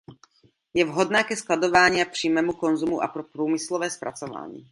Je vhodná ke skladování a přímému konzumu a pro průmyslové zpracování.